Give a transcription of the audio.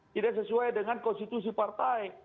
tidak sesuai dengan konstitusi partai